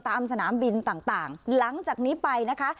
ตามสนามบินต่างหลังจากนี้ไปนะคะ